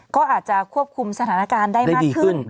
ก็อาจจะควบคุมสถานการณ์ได้มากขึ้น